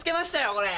これ。